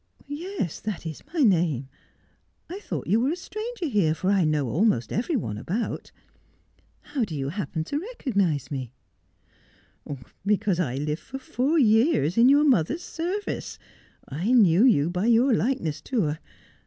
' Yes, that is my name. I thought you were a stranger here, for I know almost every one about. How do you happen to recognise me 1 '' Because I lived four years in your mother's service. I knew you by your likeness to her.